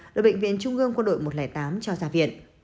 đội bệnh viện trung ương quân đội một trăm linh tám cho ra viện